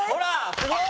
すごい！